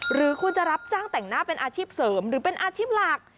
หรือคุณจะรับจ้างแต่งหน้าเป็นอาชีพเสริมหรือเป็นอาชีพหลัก